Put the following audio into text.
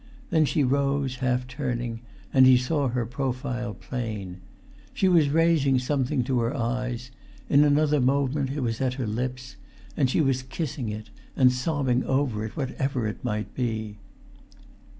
Then she rose, half turning, and he saw her profile plain. She was raising[Pg 377] something to her eyes; in another moment it was at her lips, and she was kissing it, and sobbing over it, whatever it might be.